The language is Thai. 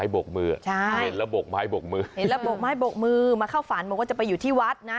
เห็นแล้วบกไม้บกมือมาเข้าฝันบอกว่าจะไปอยู่ที่วัดนะ